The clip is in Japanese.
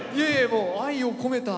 もう愛を込めた。